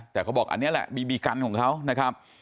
แต่เขาบอกอันนี้แหละบีบีกันของเขานะครับ